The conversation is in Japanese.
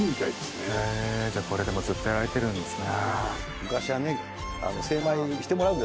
これでもうずっとやられてるんですね。